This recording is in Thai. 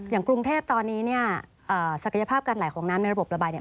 อย่างกรุงเทพตอนนี้เนี่ยศักยภาพการไหลของน้ำในระบบระบายเนี่ย